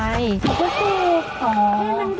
ดาวจะหมุนเบอร์สี่สอง